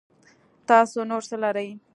تاسو نور څه لرئ